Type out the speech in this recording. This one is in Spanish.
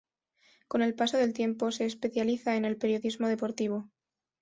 Con el paso del tiempo se especializa en el periodismo deportivo.